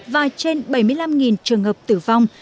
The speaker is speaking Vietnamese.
và trên bảy mươi năm trường hợp tử vong